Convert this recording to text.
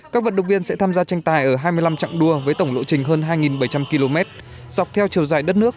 các vận động viên sẽ tham gia tranh tài ở hai mươi năm trạng đua với tổng lộ trình hơn hai bảy trăm linh km dọc theo chiều dài đất nước